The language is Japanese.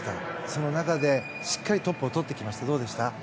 その中で、しっかりトップをとってきました。